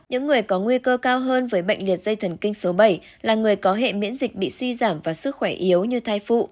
những người có nguy cơ cao hơn với bệnh liệt dây thần kinh số bảy là người có hệ miễn dịch bị suy giảm và sức khỏe yếu như thai phụ